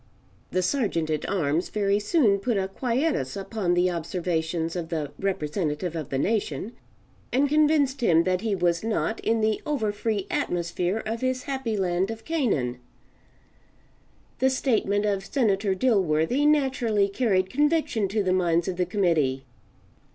The Sergeant at arms very soon put a quietus upon the observations of the representative of the nation, and convinced him that he was not in the over free atmosphere of his Happy Land of Canaan: The statement of Senator Dilworthy naturally carried conviction to the minds of the committee.